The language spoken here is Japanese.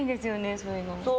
そういうの。